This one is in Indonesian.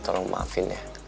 tolong maafin deh